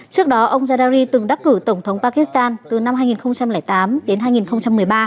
trước đó ông zardari từng đắc cử tổng thống pakistan từ năm hai nghìn tám đến hai nghìn một mươi ba